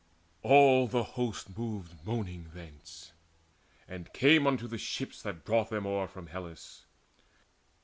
All the host Moved moaning thence, and came unto the ships That brought them o'er from Hellas.